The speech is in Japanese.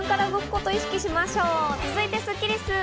続いてスッキりす。